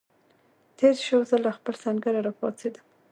تېر شو، زه له خپل سنګره را پاڅېدم.